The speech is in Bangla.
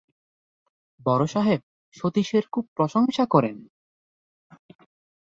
বড়োসাহেব সতীশের খুব প্রসংসা করেন।